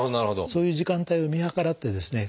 そういう時間帯を見計らってですね